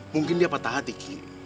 mungkin dia patah hati ki